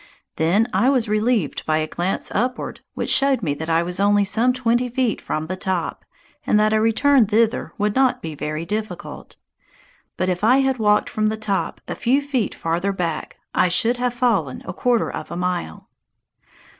Then I was relieved by a glance upward, which showed me that I was only some twenty feet from the top, and that a return thither would not be very difficult. But if I had walked from the top a few feet farther back, I should have fallen a quarter of a mile.